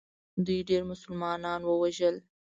دوی ډېر مسلمانان ووژل.